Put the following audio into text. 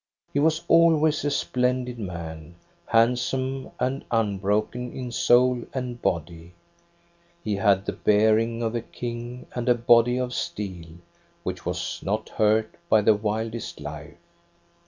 He was always a splendid man, handsome and unbroken in soul and body. He had the bearing of a king and a body of steel, which was not hurt by the wildest life.